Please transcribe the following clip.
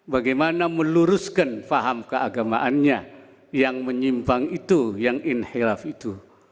bagaimana meluruskan paham keagamaannya yang menyimpang itu yang inhiraf itu